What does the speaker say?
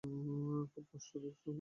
খুব খুব দুষ্টু।